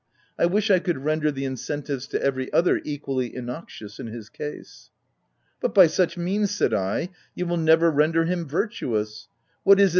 I wish I could render the incentives to every other equally innoxious in his case." "But by such means," said I, "you will never render him virtuous What is it that vol. i.